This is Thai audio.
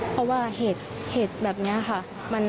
เพราะว่าเหตุแบบนี้ค่ะ